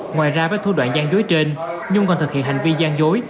ngoài ra với thu đoạn gian dối trên nhung còn thực hiện hành vi gian dối